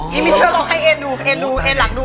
อริมิทรวปต้องให้เอโดกเอลุเอหลังดูเอหลังดู